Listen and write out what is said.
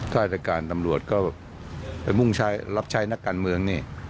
ถ้าจัดการตำรวจก็ไปรับใช้นักการเมืองนี่